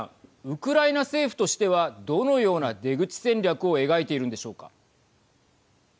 ウクライナ政府としてはどのような出口戦略を描いているんでしょうか。